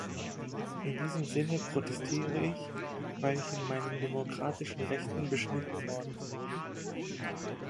In diesem Sinne protestiere ich, weil ich in meinen demokratischen Rechten beschnitten worden bin.